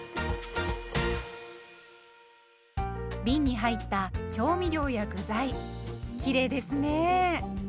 びんに入った調味料や具材きれいですね。